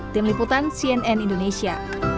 tim liputan cnn indonesia